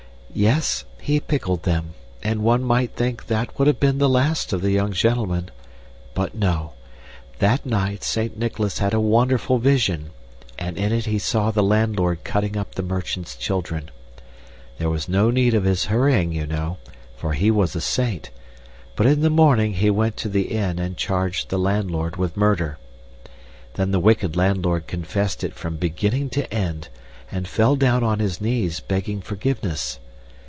"Yes, he pickled them, and one might think that would have been the last of the young gentlemen. But no. That night Saint Nicholas had a wonderful vision, and in it he saw the landlord cutting up the merchant's children. There was no need of his hurrying, you know, for he was a saint, but in the morning he went to the inn and charged the landlord with murder. Then the wicked landlord confessed it from beginning to end and fell down on his knees, begging forgiveness.